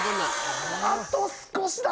あと少しだ。